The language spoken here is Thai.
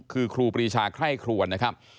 คือครูปรีชาไคร่ครวนนะครับ